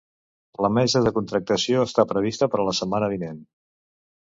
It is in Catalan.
La mesa de contractació està prevista per a la setmana vinent.